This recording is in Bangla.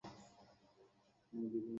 আমাদের দেখতে পাচ্ছে?